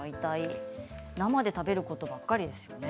生で食べることばかりですよね。